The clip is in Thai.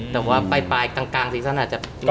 แต่ว่าไปปลายตั้งกลางซีสันอาจจะไม่เห็น